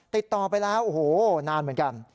ติดต่อไปแล้วโอ้โหนานเหมือนกัน